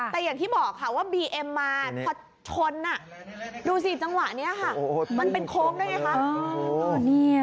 แต่อย่างที่บอกค่ะว่าบีเอ็มมาพอชนดูสิจังหวะนี้ค่ะมันเป็นโค้งด้วยไงคะ